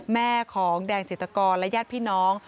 แม่ของแดงจิตกรและญาติพี่น้อง